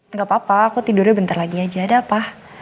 nggak apa apa aku tidurnya bentar lagi aja ada apa